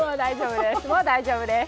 もう大丈夫です。